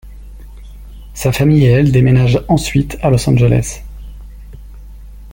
Sa famille et elle déménagent ensuite à Los Angeles.